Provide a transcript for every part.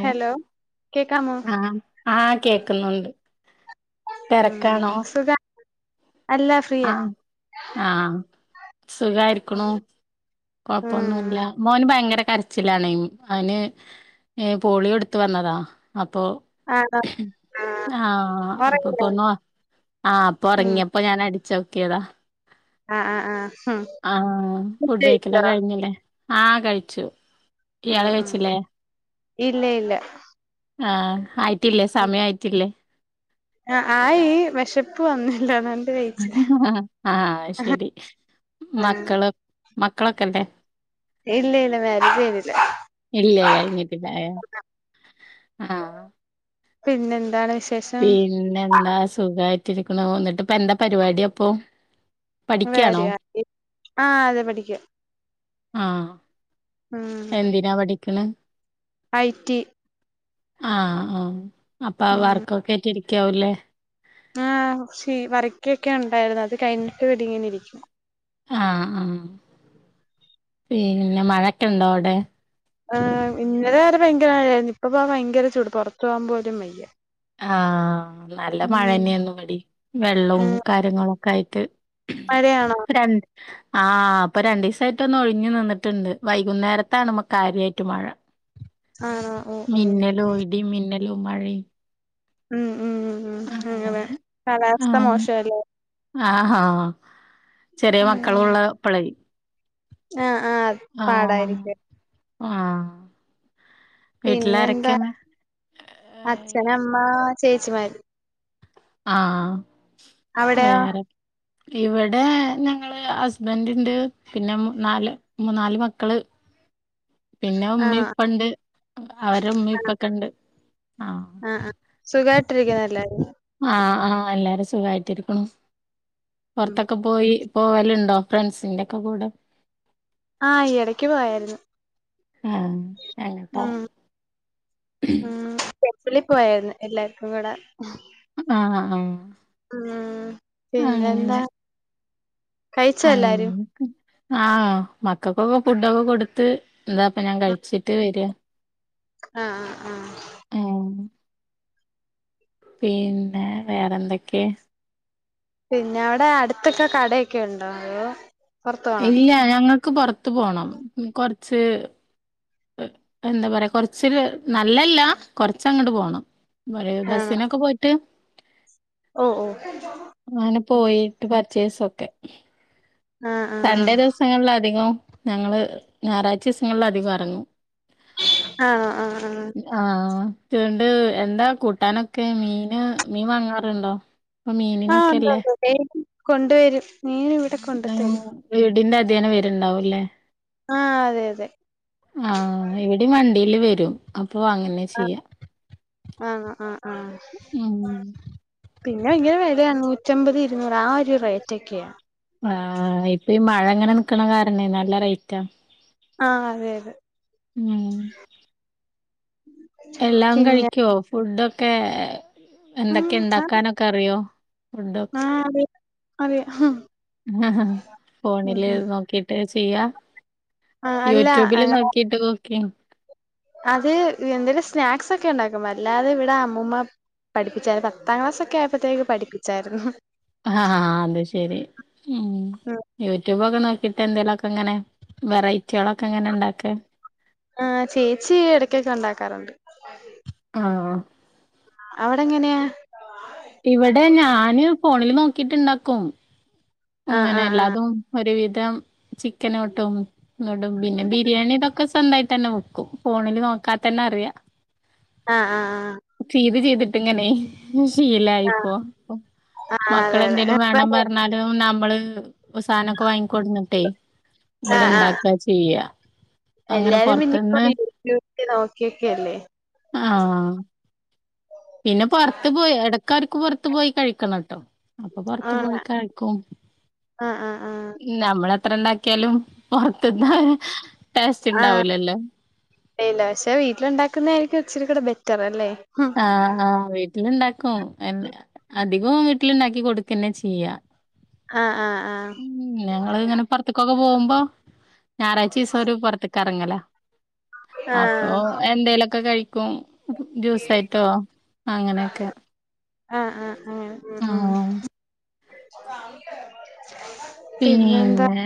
Hello കേക്കാമോ ആഹ് ആഹ് കേക്കുന്നുണ്ട് ഉം സുഖാ ആഹ്ആഹ് സുഖായിരിക്ക്ണൂ ഉം കൊഴപ്പൊന്നുല്ല മോന് ഭയങ്കര കരച്ചിലാണയ്ന്. അയ്ന് പോളിയോ ഇട്ത്ത് വന്നതാ അപ്പൊ ആണോ ആഹ് അപ്പപ്പ ഒറങ്ങില്ലേ ഒന്ന് ആഹ് അപ്പൊ ഉം ഒറങ്ങിയപ്പോ ഞാൻ അടിച്ച ക്കേതാ ആഹ് ആഹ് ആഹ് ആഹ ഉം ഇട കഴിഞ്ഞില്ലേ ആ കഴിച്ചു ഉം ഇയാള് ഉം കഴിച്ചില്ലേ ഇല്ല ഇല്ല ആ ഹായ് ട്ടില്ലേ സമയായിട്ടില്ലേ ആ ആയി വെശെപ്പ് വന്നില്ല അതാണ് ഹ ഹ ആ ശെരി മക്കള് മക്കളൊക്കെല്ലേ ഇല്ല ഇല്ല മാരീജ് കയ്ഞ്ഞില്ല ഇല്ലേ ഹാ പിന്നെ എന്താണ് പിന്നെന്താ സുഖായി ക്ക്ണോ ന്നിട്ട് ഇപ്പ എന്താ പരിപാടി അപ്പൊ പഠിക്കാണോ? വേര്യാ ആ അതെ പഠിക്കാ ആഹ് എന്തിനാ പഠി പിന്നെ ഐറ്റി ആ ആ അപ്പൊ വർക്കൊക്കാട്ടിരി ക്കാവുല്ലേ ആ ഷി വരയ്ക്കൊക്കെണ്ടായിരുന്നു അത് കഴിഞ്ഞിട്ട് ഇവിടിങ്ങിനെരിക്കും ആ ആ പിന്നെ മഴക്കുണ്ടോ അവിടെ ആ ഇന്നലെവരെ ഭയങ്കരഴ ഇപ്പ ഭയങ്കര ചൂട് പുറത്തു പോവാൻ പോലും വയ്യ ആ നല്ല ഉം. മഴന്നെന്നു വടിം വെള്ളവും ഉം. കാര്യങ്ങളു കയിട്ട് മഴയാണോ ആ പ്പ രണ്ടീസായിട്ട് ഒന്ന് ഒഴിഞ്ഞ് നിന്ന്ട്ട്ണ്ട് വൈകുന്നേരത്താണ് കാര്യമായിട്ട് മഴ ആണോ? ഓഹ് ഓഹ്. മിന്നലോ ഇടിം മിന്നൽ ലും മഴയും ഉം ഉം ഉം ഉം അങ്ങനെ കാലാവസ്ഥ മോശവെല്ലേ ആ ഹാ ചെറിയ മക്കളുള്ള പ്പളേ ആ ആഹ് പാടായിരിക്കും ആ പിന്നെന്താ അച്ഛൻ അമ്മ ചേച്ചിമാര് ആ അവിടെയോ? വേറെ ഇവിടെ ഞങ്ങള് ഹസ്ബന്റ് ഇണ്ട് പിന്നെ നാല് മൂ നാല്മക്കള് പിന്നെ ഉമ്മി ആണോ? ഇപ്പണ്ട് അവരെ ഉമ്മി ഇപ്പം കണ്ട് ആ ആആ സുഖായിട്ട് ഇരിക്കുന്നോ എല്ലാവരും ആഹ് ആഹ് എല്ലാരും സുഖായിട്ടിരിക്കുണു ഉം. പുറത്തൊക്കെ പോയി പോവലുണ്ടോ ഫ്രണ്ട്സിന്റെ ഒക്കെ കൂടെ ആഹ് ഈയിടക്ക് പോയായിരുന്നു ആ എന്നിട്ടോ ഉം വെളി പോയായിരുന്നു എല്ലാർക്കും കൂടെ ആ ആ ഉം. പിന്നെന്താ അങ്ങനെ കഴിച്ചോ എല്ലാരും? അയിങ്ക് ആ മക്കൾക്കൊക്കെ ഫുഡൊക്കെ കൊടുത്ത് ഇതാപ്പൊ ഞാൻ കഴിച്ചിട്ട് വരുവാ ആ ആആ ഉം പിന്നെ വേറെന്തൊക്കെ പിന്നെ അവിടെ അടുത്തൊക്കെ കടയൊക്കെ ഒണ്ടോ അതോ പുറത്ത് പോണോ ഇല്ല ഞങ്ങൾ പെറത്ത് പോണം കൊറച്ച് എന്താ പറയാ കൊറച്ച് നല്ലല്ലാ കൊറച്ച് അങ്ങട് പോണം കുറെ ആണോ ബസ്സിനൊക്കെ പോയിട്ട് ഓ ഓ അങ്ങനെ പോയിട്ട് പ ചേസൊക്കെ ആഹ് ആഹ് സൺഡേ ദിവസങ്ങളില അധികം ഞങ്ങള് ഞായറാഴ്ച ദിവസങ്ങളില അധികം ഇറങ്ങും ആഹ് ആഹ് ആഹ് ചെണ്ടു എന്താ കൂട്ടാനൊക്കെ മീന് മീൻ വാങ്ങാറുണ്ടോ ഇപ്പൊ ആഹ് മീനിനൊക്കെല്ലേ ഉണ്ട് ഉണ്ട് കൊണ്ടുവരും മീൻ ഇവിടെ ആഹ് കൊണ്ടുത്തരും വീടിന്റെ അട് അതിയാനെ വെരുണ്ടാവും ലെ ആഹ് അതെ അതെ ആഹ് ഇവിടെയും വണ്ടിയില് വര രും അ പ്പോൾ അങ്ങനെ ആഹ് ചെയ്യാം ആണോ ആഹ് ആഹ് പിന്നെ ഇങ്ങനെ വിലയാണ് നൂറ്റമ്പത് ഇരുന്നൂറ് ആ ഒരു റേറ്റക്കെയാ ആഹ് ഇപ്പ ഈ മഴ ഇങ്ങനെ നിക്കണ കാരണേ നല്ല റേറ്റാ ആഹ് അതെ അതെ മ്മ് എല്ലാം പിന്നെ കഴിക്കോ ഫുഡോ ക്കെ ഉം എന്തൊക്കെ ആഹ് ഉണ്ടാക്കാനൊക്കെ അറിയോ ഫുടൊക്കെ ആഹ് അതെ അതെ ഉം ഹ് ഹ് ഹ ഫോണില് ഉം നോക്കിട്ട് [unintelligible] ആഹ് അല്ല ആ, യൂട്യൂബില് നോക്കിട്ട് ക്കിങ് അത് എന്തേലും സ്നാക്സൊക്കെ ഉണ്ടാക്കും അല്ലാതെ ഇവിടെ അമ്മൂമ്മ പഠിപ്പിച്ചായിരുന്നു പത്താം ക്ലാസ്സൊക്കെ ആയപ്പോത്തേക്ക് പഠിപ്പിച്ചായിരുന്നു ആഹഹ് അത് ശെരി ഉം ഉം യൂട്യൂബൊക്കെ നോ ക്കീട്ട് എന്തേലൊക്കെ ഇ ങ്ങനെ വെറൈറ്റിളൊക്കെ എങ്ങനെ ഇണ്ടാക്ക ആ ചേച്ചി ഇടക്കൊക്കെ ഉണ്ടാക്കാറുണ്ട് ആഹ് അവിടെ എങ്ങനെയാ ഇവിടെ ഞാന് ഫോണില് നോക്കിട്ടുണ്ടാക്കും ആഹ് ഇങ്ങനെ ആഹ് എല്ലാതും ഒരു വിധ രം ചിക്കനോടും എന്നിട്ടും പിന്നെ ബിരിയാണിയുടെയൊക്കെ ഇപ്പെന്തായിട്ട് തന്നെ ഒക്കും. ഫോണില് നോക്കാതെ തന്നെയറിയാം ആ.. ആഹ്.. ആ.. ഇത് ചെയ്തിട്ടിങ്ങനെ ഇത് ആഹ് ആഹ് ആഹ് ആഹ് ശീലായിപ്പോം, പോം അതെ അതെ ഇപ്പ മക്കളെന്തേലുംവേണം പറഞ്ഞാല് നമ്മള് സാധനമൊക്കെ വാങ്ങിക്കൊണ്ടുന്നിട്ടെ ആഹ് ആഹ് ഇവിടെയുണ്ടാക്കാ ചെയ്യ എല്ലാരും ഇനിപ്പോ യൂട്യൂബിലൊക്കെ നോക്കിയൊക്കെയല്ലേ ആഹ് കാർക്ക് പുറത്തുപോയി കഴിക്കണേട്ടോ അപ്പൊ പുറത്തു ആണ് പോയി കഴി ആഹ് ആഹ് ആഹ് ന്നം നമ്മളെത്ര ഉണ്ടാക്കിയാലും പുറത്തുന്ന ടേസ്റ്റുണ്ടാവൂലല്ലോ ഇല്ല പക്ഷേ വീട്ടിലുണ്ടാക്കുന്നതായിരിക്കും ഇച്ചിരികൂടെ ബെറ്റർ അല്ലേ ഉം ആഹ് ആ വീട്ടിലുണ്ടാക്കും എന്ന അത് അധികവും വീട്ടിലുണ്ടാക്കി കൊടുക്കുക തന്നെ ചെയ്യ ആ ആ ഉം ഞങ്ങളിങ്ങനെ പുറത്തേകൊ- ക്കെ പോകുമ്പം ഞാഴറായ്ച ദിവസം ഒരു പുറത്തേക്ക് കറങ്ങല അപ്പൊ ആഹ് എന്തേലൊക്കെ കഴിക്ക കോ ജ്യൂസായിട്ടോ അങ്ങനെയൊക്കെ ആഹ് ആഹ് ആഹ് അങ്ങനെ ഉം ആ ഉം പിന്നെന്താ പിന്നെ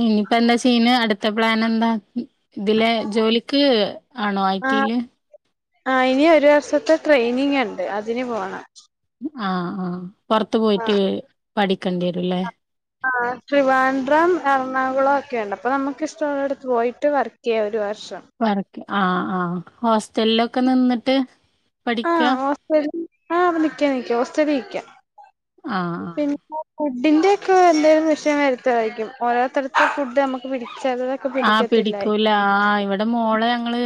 ഇനിയിപ്പമെന്താ ചെയ്യുന്നേ അടുത്ത അടുത്തപ്ലാനെന്താ ഇതിലെ ജോലിക്ക്ആണോ ഐ ടി യി ൽ ആ ഇനിയൊരു വർഷത്തെ ട്രെയിനിങുണ്ട് അതിനുപോണം ആ ആ ആ പുറത്തുപോയിട്ട് പഠിക്കേണ്ടിയവരല്ലേ ആ ട്രിവാഡ്രം എറണാകുളമൊക്കെയുണ്ട് അപ്പൊ നമുക്ക് ഇഷ്ടമുള്ളിടുത്ത് പോയിട്ടുവർക്ക് ചെയ്യാമൊരു വർഷം വർക്ക് ആഹ് ആ ഹോസ്റ്റലിലൊക്കെ നിന്നിട്ട് പഠിക്ക ആഹ് ഹോസ്റ്റർ ആ നിക്കക്കാ നിക്ക ഹോസ്റ്റലിൽ നിക്കാ ആഹ് പിന്നെ ആഹ് ഫുഡിന്റെ ഒക്കെ എന്തും വിഷയം വരു വായിക്കും ഓരോത്തരത്ത ഫുഡ് നമുക്ക് പിടിക്കും ആ പിടിക്കൂല ആ ഇവിടെ മോളെ ഞങ്ങള്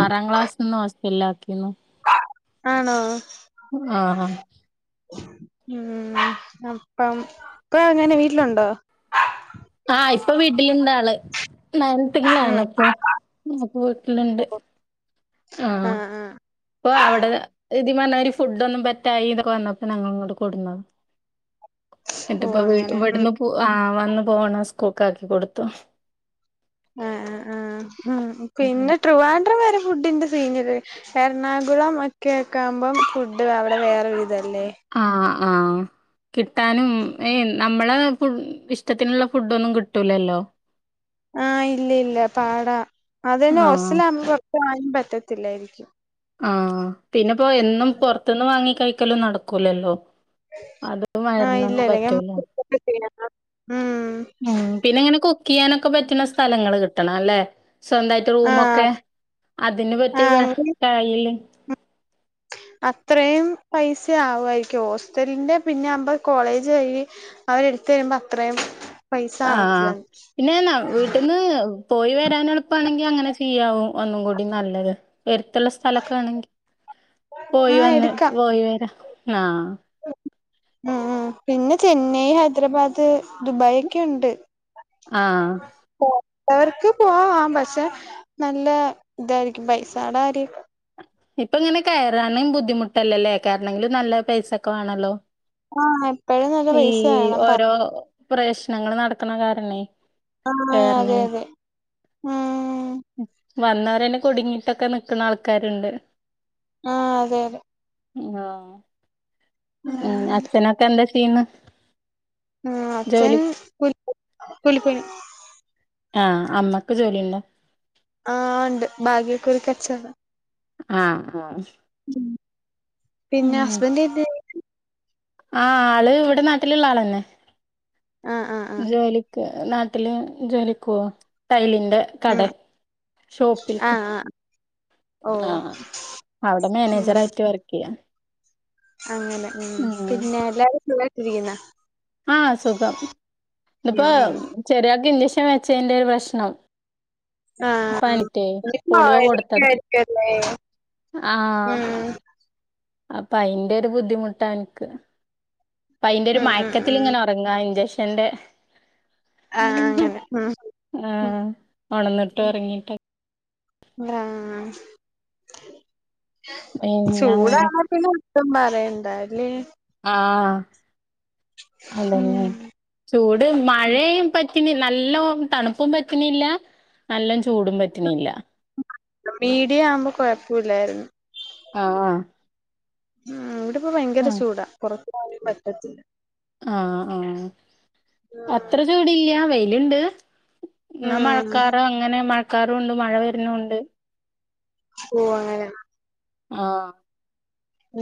ആറാം ക്ലാസ് നിന്ന് ൽ ആക്കിയിരുന്നു ആണോ ആ ഉ അപ്പം അ അങ്ങനെ വീട്ടിലുണ്ടോ ആഹ് ഇപ്പൊ വീട്ടിലിണ്ടാ ല് നയനത്തിങ്കില ഉം ആണ അപ്പൊ നക്ക് വീട്ടിലുണ്ട് ആഹ ആഹ് ആഹ് അപ്പൊ അവിടെന്ന് ഇതി പറഞ്ഞ ഒരു ഫുഡ് ഒന്നും പെറ്റായി ഇതക്കെ വന്നപ്പോ ഞങ്ങ ഇങ്ങോട്ട് കൊടുുന്ന ഓ എന്നട്ടപ്പ അങ്ങനെ ഉം ഇവിടുന്ന് ആ ന്നു പോണം സ്കൂക്ക ആക്കി കൊടുത്തു ആ ആ ഉ ഉം പിന്നെ ട്രിവാൻഡ്രം വര ഫുഡിന്റെ സീനറി എറണാകുളം ഒക്കെ ഒക്കെ ആകുമ്പോം ഫുഡ് അവിടെ വേറെ വിധ അല്ലേ ആ കിട്ടാനും ഏ നമ്മള ് ഇഷ്ടത്തിനുള്ള ഫുഡ ഒന്നും കിട്ടൂലല്ലോ ആഹ് ഇല്ല ഇല്ല പാടാ അതന്നെ ആഹ് ഒഓസല അ ഒക്ക ആായും പറ്റത്തില്ലായിരിക്കും ആഹ പിന്നെ ഇപ്പോൊ എന്നും പുറത്തുനിന്ന് വാങ്ങിക്ക കൈക്കല്ലും നടക്കൂലല്ലോ അത് ആഹ് ഇല്ല വയരണൊന്നും ഇല്ല പറ്റൂല ഞമ്മക്ക് ഉം ിയാനൊക്കെ പറ്റുന്ന സ്ഥലങ്ങള്ൾ കിട്ടണം അല്ലെ സ്വന്തമായിട്ട് റൂമൊക്കെ ആഹ് അതിനന് പറ്റി ആഹ് അങ്ങനെ കഴല്ലേ അത്രയും പൈസ ആവുായിരിക്കും ഹോസ്റ്റലിന്റെ പിന്നെ ആുമ്പോ കോളേജ് കഴി അവരെ എടുത്ത വരുമ്പോ അത്രയും പൈസ ആഹ കാണത്തില്ല പിന്നെ വീട്ടിൽന്ന് പോയി വരാനെളുപ്പാണെങ്കി അങ്ങനെ ചെയ്യാവും ഒന്നും കൂടി നല്ലത്. ഉള്ള സ്ഥലൊക്കാണെങ്കി പോയി ആഹ് വന്ന് എടുക്കാം പോയി വരാം. ആ ഉം ഉം പിന്നെ ചെന്നൈ ഹൈദ്രബാദ് ദുബായൊക്കെ ഉണ്ട്. ആ എവർക്ക് പോവാം പക്ഷെ നല്ല ഇതാരിക്കും പൈസാടാര്യക്കെ. ഇപ്പങ്ങനെ കയറാനും ബുദ്ധിമുട്ടല്ലല്ലേ, കേറണെങ്കിലും നല്ല പൈസൊക്കെ വേണല്ലോ. ആ ഈ ഓരോ പ്രശ്നങ്ങള് നടക്കണ കാരണേ. ആ കേറണെ അതെ അതെ ആ വന്നവരന്നെ കുടുങ്ങിട്ടൊക്കെ നിക്കണ ആൾക്കാരുണ്ട്. ആ അതെ അതെ. ആ. ഉം അച്ഛനൊക്കെന്ത് ചെയ്യന്നു? ആ അച്ഛൻ പുൽ പുലിപുലി. ആ അമ്മക്ക് ജോലിണ്ടോ? ആ ഒണ്ട് ഭാഗ്യക്കുറിക്കച്ചവടം. ആ ആ പിന്നെ ഹസ്ബൻഡെന്ത്യ്യ് ആ ആള് വിടെ നാട്ടിലുള്ളാളന്നെ. ആഹ് ആഹ് ആഹ് ജോലിക്ക് നാട്ടില് ജോലിക്കുവോ ടൈല്? കട ഉം ഷോപ്പില് ആഹ് ആഹ് ആ ഓഹ് അവ്ടെ ഉം മാനേജറായിട്ട് വർക്കെയ്യ. അങ്ങനെ ഉം പിന്നെ എല്ലാരും സുഖായിട്- ഇരിക്കുന്നോ? ആ സുഖം ഇപ്പോ ഉം ഉം ചെറിയാക്കില്ലിഷ് കെ വെച്ചേന്റെ ഒരു പ്രശ്നം. ആ പനിറ്റേ [unintelligible] ആ പോളിയോ കൊടുത്തത് അപ്പ അയിന്റരു ബുദ്ധിമുട്ടാ എനക്ക്. അപ്പയിന്റെരു ഉം ഉം ഉം മയക്കത്തിലിങ്ങനൊറങ്ങുവാ അയിന്റെഷം. എന്റെ ആഹ് അങ്ങനെ ഉം ആ ഉം ഒണന്നിട്ടൊറങ്ങിട്ട്. ആ പിന്നെ അങ്ങനെ ചൂടാണെ പിന്നെ ഒട്ടും പറയ് എന്താല്ലേ ആഹ ഉം അല്ലല്ലേ ചൂട് മഴയും പിന്നെ നല്ല തണുപ്പും പറ്റണല്ല നല്ല ചൂടും പറ്റണല്ല മീഡിയ ആവുമ്പോ കൊഴപ്പമില്ലായിരുന്നു ആഹ ആഹ ഉ ഇവിടെ ഭയങ്കര ചൂടാ പറ്റത്തില്ല ആഹ ആഹ ഉം അത്ര ചൂടല്ല ഇണ്ട് എന്നാ ഉം മഴക്കാറ അങ്ങനെ മഴ മഴക്കാറുണ്ട് മഴ വരുന്നുണ്ട് ഓ അങ്ങനെ ആഹ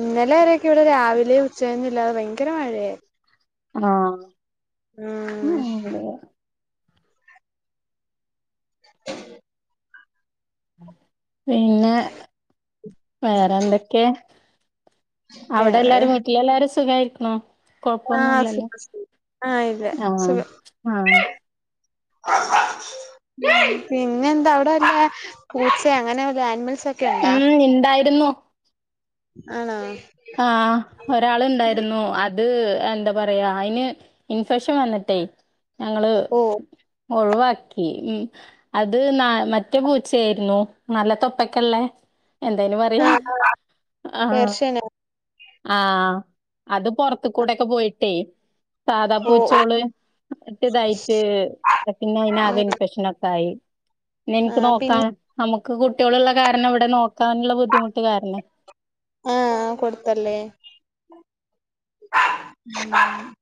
ഇന്നലെ വരൊക്കെ ഇവിടെ രാവിലെ ഉച്ചയൊന്നും ഇല്ലാതെ ഭയങ്കര മഴയാ ആഹ ഉ അതെ [unintelligible] [inaudible] ഉം [unintelligible] പിന്നെ വേറെ എന്തൊക്കെ അവിടെ എല്ലാവരും വീട്ടിൽ എല്ലാവരും സുഖമായിരിക്കണോ ആഹ സുഖം ആഹ ഇല്ല ആഹ് സുഖം ആഹ് പിന്നെ എന്താ അവിടെ വല്ല പൂച്ച അങ്ങനെ ആനിമൽസ് ഒക്കെ ഉ ഉണ്ടാ ഉണ്ടായിരുന്നു ആണോ ആഹ ഒരാൾ ഉണ്ടായിരുന്നു അത് എന്താ പറയാ അതിന് ഇൻഫെക്ഷൻ വന്നിട്ടെ ഞങ്ങള് ഓ ഒഴിവാക്കി ഉ അത് ന മറ്റേ പൂച്ചയായിരുന്നു നല്ല തൊപ്പക്കെള്ളെ ആഹ പേർഷ്യ ആഹ അത് പുറത്തുകൂടെ കൂ പോയിട്ടേ സാധാ ഓ ഓ പൂച്ചകള് ഇട്ട് ഇതായിട്ട് പിന്നെ ഉം അതിനാകെ ഇൻഫെക്ഷൻ ഒക്കെ ആയി ആ എനിക്ക് നോക്കാൻ പിന്നെ നമുക്ക് ക്ക്‌ കുട്ടികളൊള്ള കാരണം ഇവിടെ നോക്കാനുള്ള ബുദ്ധിമുട്ട് കാരണം അതല്ലേ